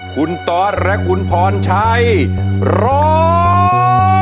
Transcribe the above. คุณตอสและคุณพรชัยร้อง